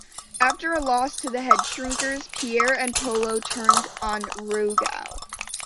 After a loss to The Headshrinkers, Pierre and Polo turned on Rougeau.